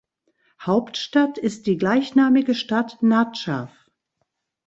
Hauptstadt ist die gleichnamige Stadt Nadschaf.